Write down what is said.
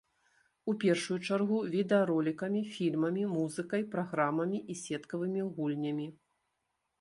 У першую чаргу відэаролікамі, фільмамі, музыкай, праграмамі і сеткавымі гульнямі.